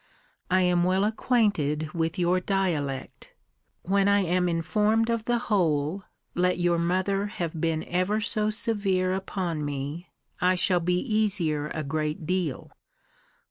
I am well acquainted with your dialect. When I am informed of the whole, let your mother have been ever so severe upon me, I shall be easier a great deal.